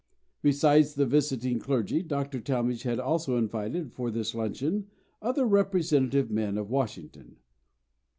Besides the visiting clergy, Dr. Talmage had also invited for this luncheon other representative men of Washington.